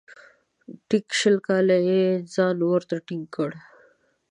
ټیک شل کاله یې ځان ورته ټینګ کړ .